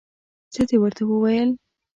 څه دې ورته وویل؟